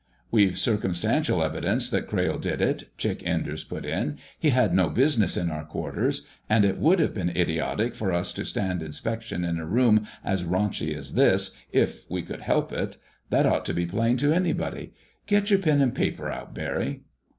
"We've circumstantial evidence that Crayle did it," Chick Enders put in. "He had no business in our quarters. And it would have been idiotic for us to stand inspection in a room as raunchy as this, if we could help it. That ought to be plain to anybody. Get your pen and paper out, Barry."